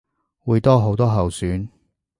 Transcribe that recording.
會多好多候選